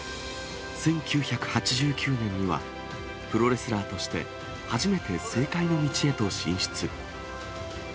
１９８９年には、プロレスラーとして、初めて政界の道へと進出。